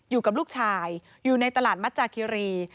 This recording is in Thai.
อยู่กับลูกชายอยู่ในตลาดมัจจาคิรี